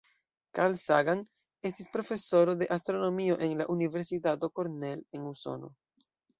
Carl Sagan estis profesoro de astronomio de la Universitato Cornell en Usono.